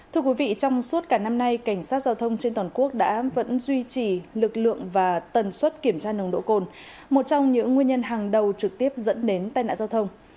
thưa quý vị trong suốt cả năm nay cảnh sát giao thông trên toàn quốc đã vẫn duy trì lực lượng và tần suất kiểm tra nồng độ cồn một trong những nguyên nhân hàng đầu trực tiếp dẫn đến tai nạn giao thông